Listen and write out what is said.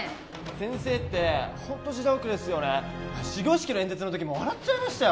先生ってホント時代遅れっすよね始業式の演説の時も笑っちゃいましたよ